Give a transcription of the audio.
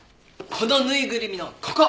このぬいぐるみのここ！